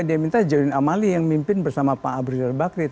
dia minta jodin amali yang mimpin bersama pak abu ridul bakri